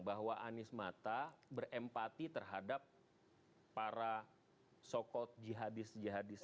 bahwa anies mata berempati terhadap para socald jihadis jihadis